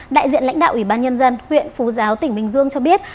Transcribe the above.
đại diện lãnh đạo ủy ban nhân dân huyện phú giáo tỉnh bình dương cho biết